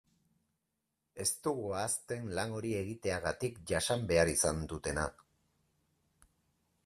Ez dugu ahazten lan hori egiteagatik jasan behar izan dutena.